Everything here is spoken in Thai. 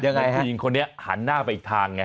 ยังไงฮะคุยกับคุยอิ่งคนนี้หันหน้าไปอีกทางไง